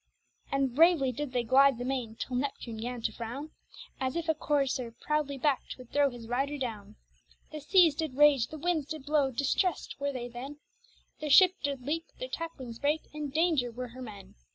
And bravely did they glyde the maine, till Neptune gan to frowne, As if a courser proudly backt would throwe his ryder downe. The seas did rage, the windes did blowe, distressèd were they then; Their ship did leake, her tacklings breake, in daunger were her men.